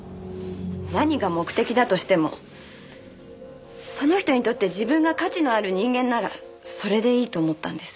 何が目的だとしてもその人にとって自分が価値のある人間ならそれでいいと思ったんです。